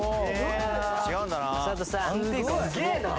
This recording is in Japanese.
違うんだな。